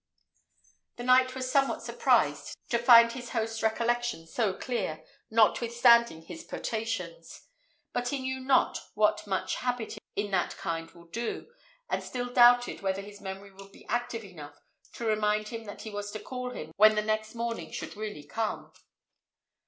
The knight was somewhat surprised to find his host's recollection so clear, notwithstanding his potations; but he knew not what much habit in that kind will do, and still doubted whether his memory would be active enough to remind him that he was to call him when the next morning should really come.